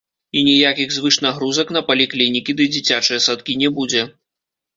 І ніякіх звышнагрузак на паліклінікі ды дзіцячыя садкі не будзе.